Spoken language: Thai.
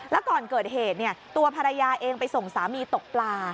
แล้วก่อนเกิดเหตุตัวภรรยาเองไปส่งสามีตกปลา